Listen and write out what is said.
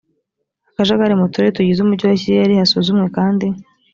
akajagari mu turere tugize umujyi wa kigali hasuzumwe kandi